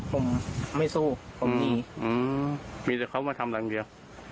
ผมไม่สู้ผมมีมีแต่เขามาทำรังเดียว